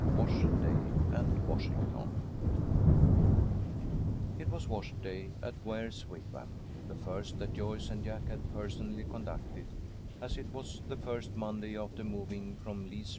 WASH DAY AND WASHINGTON IT was wash day at Ware's Wigwam; the first that Joyce and Jack had personally conducted, as it was the first Monday after moving from Lee's ranch.